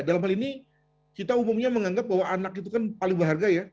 dalam hal ini kita umumnya menganggap bahwa anak itu kan paling berharga ya